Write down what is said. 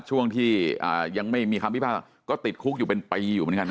ช่วงที่ยังไม่มีคำพิพากษ์ก็ติดคุกอยู่เป็นปีอยู่เหมือนกันนะ